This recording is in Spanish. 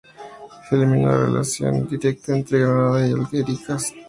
Se elimina las relación directa entre Granada y Algeciras